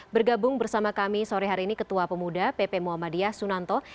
bergabung bersama kami sore hari ini ketua pemuda pp muhammadiyah sunanto